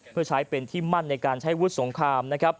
เพื่อใช้เป็นที่มั่นในการใช้วุฒิสงครามนะครับ